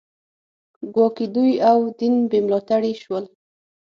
ګواکې دوی او دین بې ملاتړي شول